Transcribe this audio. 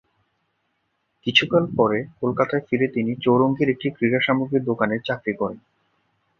কিছুকাল পরে কলকাতায় ফিরে তিনি চৌরঙ্গীর একটি ক্রীড়া সামগ্রীর দোকানে চাকরি করেন।